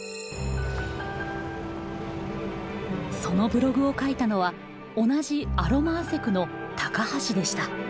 そのブログを書いたのは同じアロマアセクの高橋でした。